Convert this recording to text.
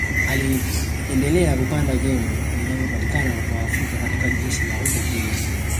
Aliendelea kupanda vyeo vilivyopatikana kwa Waafrika katika jeshi la huko Kenya